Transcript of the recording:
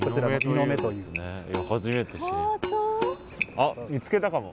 あっ見つけたかも？